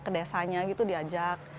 ke desanya diajak